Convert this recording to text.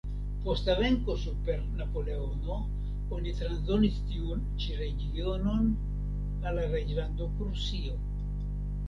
Post la venko super Napoleono oni transdonis tiun ĉi regionon al la reĝlando Prusio.